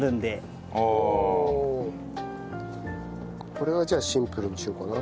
これはじゃあシンプルにしようかな。